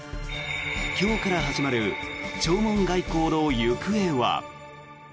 今日から始まる弔問外交の行方は。